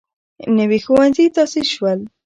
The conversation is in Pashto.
نوي ښوونځي تاسیس شول.